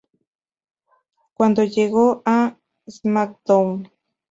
Cuando llegó a "SmackDown!